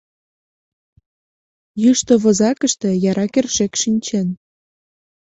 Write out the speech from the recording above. Йӱштӧ возакыште яра кӧршӧк шинчен.